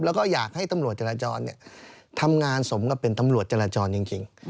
แล้วก็อยากให้ตำรวจจราจรทำงานสมกับเป็นตำรวจจราจรจริง